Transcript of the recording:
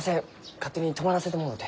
勝手に泊まらせてもろうて。